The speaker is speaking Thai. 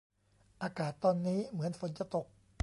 อากาศตอนนี้เหมือนฝนจะตก